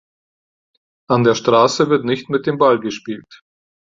An der Straße wird nicht mit dem Ball gespielt.